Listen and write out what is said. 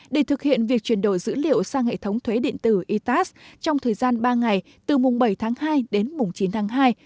để thực hiện việc chuyển đổi dữ liệu sang hệ thống thuế điện tử itas trong thời gian ba ngày từ mùng bảy tháng hai đến mùng chín tháng hai